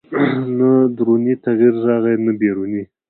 نه دروني تغییر راغی نه بیروني